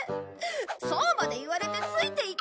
そうまで言われてついていけるか！